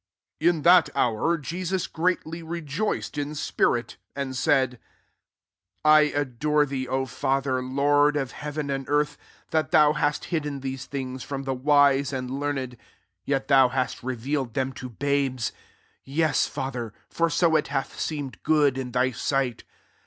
SI In that hour> Jesus greatly rejoiced in spirit, and said, " I idoretheej O Father, Lord of heaven and earth, that thou hast hidden these things from the wise and leanitdj yettheu hmt revealed them to babes: yes^ Father; for so it hath seemed good in thy sight.